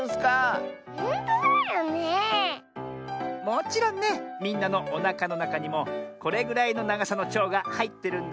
もちろんねみんなのおなかのなかにもこれぐらいのながさのちょうがはいってるんだよ。